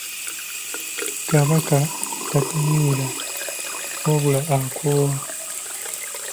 Kabaka tatamiira wabula akoowa.